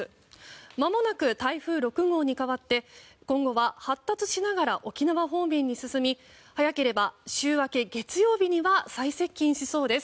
まもなく台風６号に変わって今後は発達しながら沖縄方面に進み早ければ週明け月曜日には最接近しそうです。